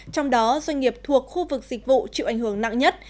trong đó doanh nghiệp thuộc khu vực dịch vụ chịu ảnh hưởng nặng nhất